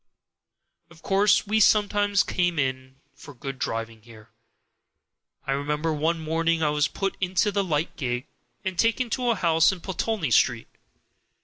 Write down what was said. Of course we sometimes came in for good driving here. I remember one morning I was put into the light gig, and taken to a house in Pulteney Street.